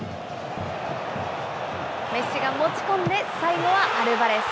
メッシが持ち込んで、最後はアルバレス。